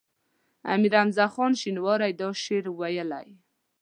امیر حمزه خان شینواری دا شعر ویلی.